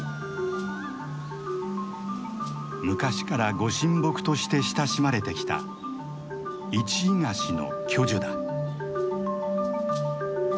昔からご神木として親しまれてきたイチイガシの巨樹だ。